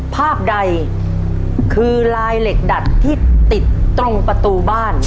ภาพใดคือลายเหล็กดัดที่ติดตรงประตูบ้าน